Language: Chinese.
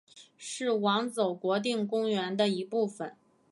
是网走国定公园的一部分。